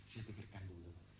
saya pikirkan dulu